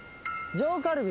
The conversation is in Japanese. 上カルビ。